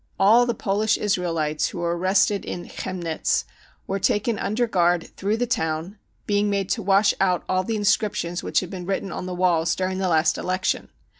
All the Polish Israelites who were arrested in Chemnitz were taken under guard through the town, being made to wash out all the inscriptions which had been written on the walls during the last election.